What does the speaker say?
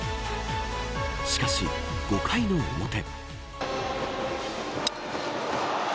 しかし、５回の表。